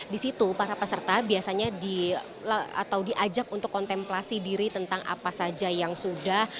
di situ para peserta biasanya diajak untuk kontemplasi diri tentang apa saja yang sudah